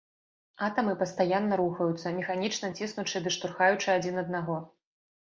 Атамы пастаянна рухаюцца, механічна ціснучы ды штурхаючы адзін аднаго.